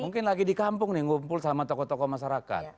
mungkin lagi di kampung nih ngumpul sama tokoh tokoh masyarakat